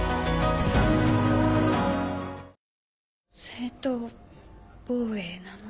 正当防衛なの？